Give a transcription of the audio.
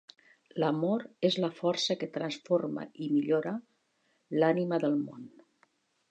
L'Amor és la força que transforma i millora l'Ànima del Món.